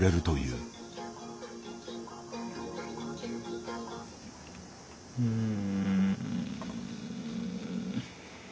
うん。